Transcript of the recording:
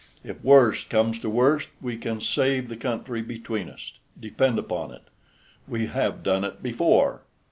If worst comes to worst, we can save the country between us, depend upon it. We have done it before."